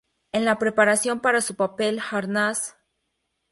En la preparación para su papel, Arnaz, Jr.